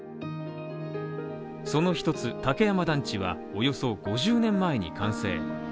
その一つ、竹山団地はおよそ５０年前に完成。